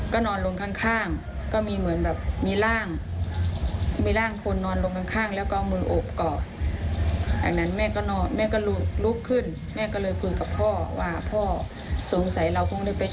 ก็นอนลงข้างก็มีเหมือนแบบมีร่างมีร่างคนนอนลงข้างแล้วก็เอามืออบก่อน